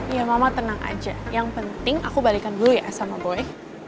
ya mama tenang aja yang penting aku balikan dulu ya sama boyc